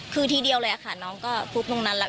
คือทีเดียวเลยค่ะน้องก็ฟุบตรงนั้นแล้ว